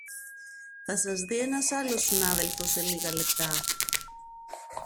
θα σας δει ένας άλλος συνάδελφος σε λίγα λεπτά